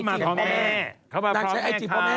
นางใช้ไออ์จีนพ่อแม่